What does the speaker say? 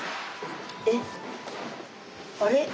えっあれ？